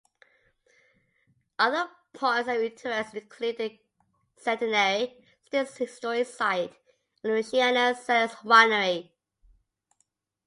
Other points of interest include the Centenary State Historic Site and Feliciana Cellars Winery.